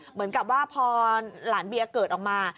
เหมือนกับว่าพอหลานเบียเกิดออกมา